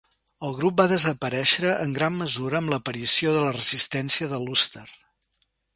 El grup va desaparèixer en gran mesura amb l'aparició de la resistència de l'Ulster.